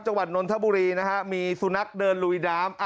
นนทบุรีนะฮะมีสุนัขเดินลุยน้ำ